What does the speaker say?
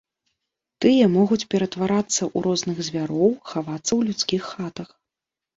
Тыя могуць ператварацца ў розных звяроў, хавацца ў людскіх хатах.